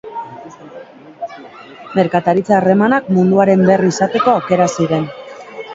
Merkataritza harremanak munduaren berri izateko aukera ziren.